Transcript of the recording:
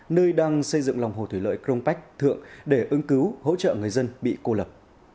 nơi đang xây dựng lòng hồ thủy lợi crong bách thượng để ứng cứu hỗ trợ người dân bị cô lập